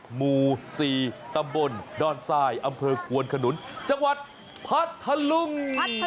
หมู่๔ตำบลดอนทรายอำเภอกวนขนุนจังหวัดพัทธลุง